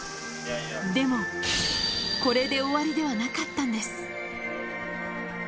でも、これで終わりではなかったんです。